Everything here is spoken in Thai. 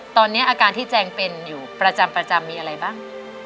ตอนนี้อาการที่แจงเป็นอยู่ประจำมีอะไรบ้าง